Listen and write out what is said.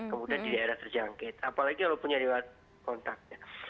kemudian di daerah terjangkit apalagi kalau punya riwayat kontak